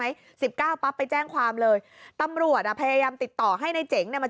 ไหม๑๙ปั๊บไปแจ้งความเลยตำรวจอ่ะพยายามติดต่อให้ในเจ๋งมา